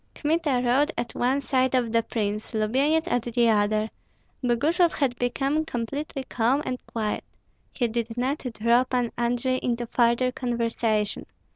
Kmita rode at one side of the prince, Lubyenyets at the other. Boguslav had become completely calm and quiet; he did not draw Pan Andrei into further conversation.